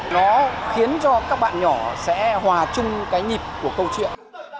nó khiến cho các bạn nhỏ sẽ hòa chung cái nhịp của câu chuyện